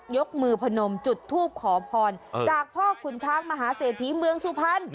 ยกมือพนมจุดทูปขอพรจากพ่อขุนช้างมหาเศรษฐีเมืองสุพรรณ